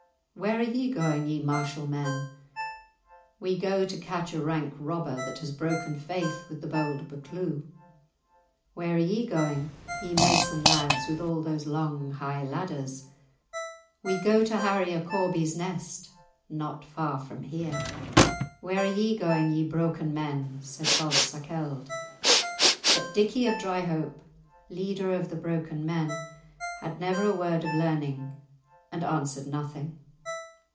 "Where are ye going, ye martial men?" "We go to catch a rank robber that has broken faith with the bold Buccleuch." "Where are ye going, ye mason lads, with all these long high ladders?" "We go to harry a corbie's nest not far from here." "Where are ye going, ye broken men?" said false Sakelde. But Dickie of Dryhope, leader of the broken men, had never a word of learning, and answered nothing.